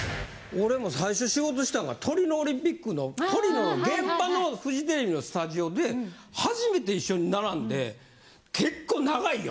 俺も最初仕事したんがトリノオリンピックのトリノの現場のフジテレビのスタジオで初めて一緒に並んで結構長いよ。